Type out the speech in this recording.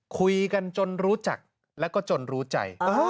คุยกันจนรู้จักแล้วก็จนรู้ใจ